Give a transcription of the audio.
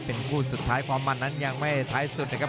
เป็นผู้สุดท้ายพร้อมมาณยังไม่ช้ายสุดนะครับ